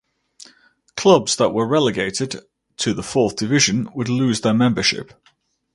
Clubs that were relegated to the fourth division would lose their membership.